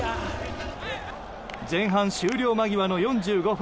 前半終了間際の４５分。